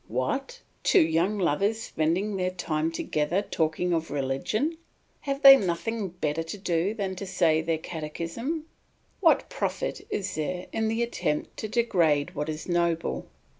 What! Two young lovers spending their time together talking of religion! Have they nothing better to do than to say their catechism! What profit is there in the attempt to degrade what is noble?